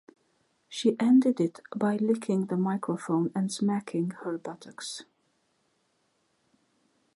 She ended it by licking the microphone and smacking her buttocks.